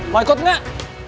mau ikut nggak